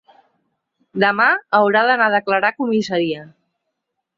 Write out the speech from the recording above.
Demà haurà d’anar a declarar a comissaria.